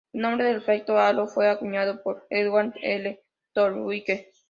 El nombre de efecto halo fue acuñado por Edward L. Thorndike.